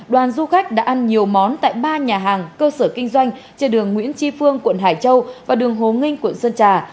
đoàn du khách đã ăn nhiều món tại ba nhà hàng cơ sở kinh doanh trên đường nguyễn tri phương quận hải châu và đường hồ nghinh quận sơn trà